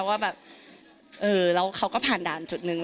ว่าแบบเออแล้วเขาก็ผ่านด่านจุดนึง